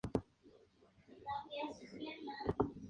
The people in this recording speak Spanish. Su color distintivo es el rojo.